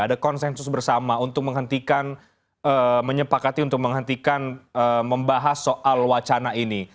ada konsensus bersama untuk menghentikan menyepakati untuk menghentikan membahas soal wacana ini